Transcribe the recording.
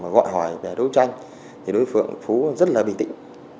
gọi hỏi để đối tranh đối phượng phú rất là bình tĩnh